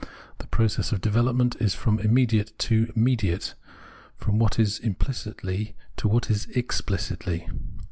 The process of development is from immediate to mediate, from what it is implicitly to what it is explicitly.